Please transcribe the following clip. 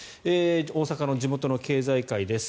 大阪の地元の経済界です。